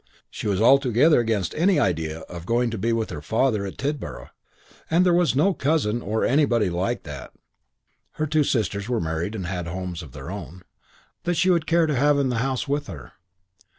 She was altogether against any idea of going to be with her father at Tidborough, and there was no cousin "or anybody like that" (her two sisters were married and had homes of their own) that she would care to have in the house with her.